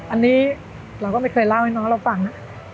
อันนี้เราก็ไม่เคยเล่าให้น้องเราฟังนะ